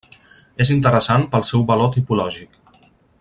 És interessant pel seu valor tipològic.